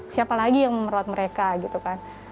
siapa lagi yang merawat mereka gitu kan